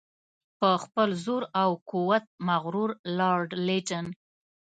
په خپل زور او قوت مغرور لارډ لیټن.